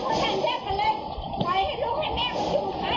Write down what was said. เราจะไปเป็นอะไร